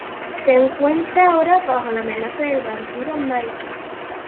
Se encuentra ahora bajo la amenaza del vampiro Mickey.